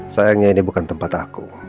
sayangnya ini bukan tempat aku